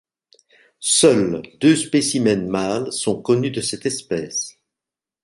Seuls deux spécimens mâles sont connus de cette espèce.